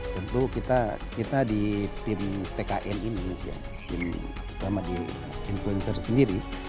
tentu kita di tim tkn ini ya terutama di influencer sendiri